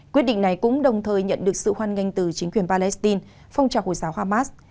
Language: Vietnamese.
quyết định này cũng đồng thời nhận được sự hoan nghênh từ chính quyền palestine phong trào hồi giáo hamas